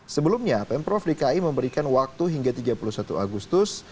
sebelumnya pemprov dki memberikan waktu hingga tiga puluh satu agustus